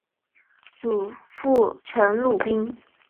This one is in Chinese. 祖父陈鲁宾。